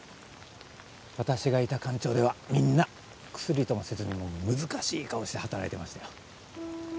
私がいた官庁ではみんなクスリともせずにもう難しい顔して働いてましたよ。